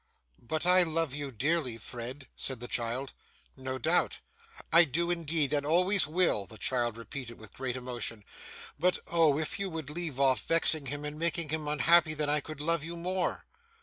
'But I love you dearly, Fred,' said the child. 'No doubt!' 'I do indeed, and always will,' the child repeated with great emotion, 'but oh! If you would leave off vexing him and making him unhappy, then I could love you more.